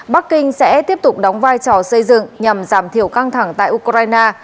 bắc kinh sẽ tiếp tục đóng vai trò xây dựng nhằm giảm thiểu căng thẳng tại ukraine